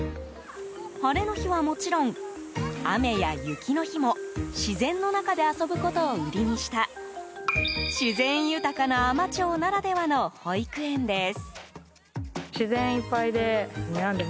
晴れの日はもちろん雨や雪の日も自然の中で遊ぶことを売りにした自然豊かな海士町ならではの保育園です。